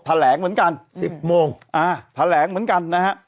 แถลงเหมือนกัน